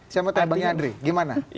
saya mau tanya bang yandri gimana